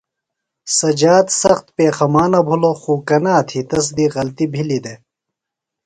سجاد سخت پیخمانہ بِھلوۡ خو کنا تھی تس دی غلطیۡ بِھلیۡ دےۡ۔